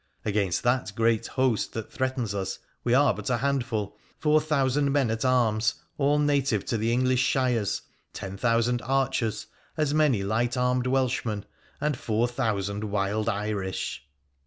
Against that great host that threatens us toe are but a handful, four thousand men at arms all native to the English shires, ten thousand archers, as many light armed Welshmen, and four thousand wild Irish.